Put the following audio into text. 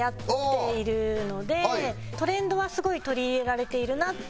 トレンドはすごい取り入れられているなって。